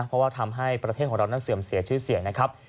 เพราะว่าทำให้ประเทศของเรานั้นเสื่อมเสียชื่อเสียงนะครับ